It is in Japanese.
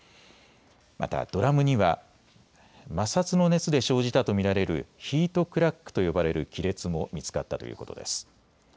またドラムには摩擦の熱で生じたと見られるヒートクラックと呼ばれる亀裂も見つかったということです。